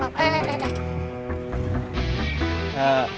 pak pak pak pak